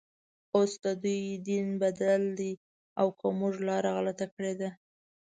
اوس ددوی دین بدل دی او که موږ لاره غلطه کړې ده.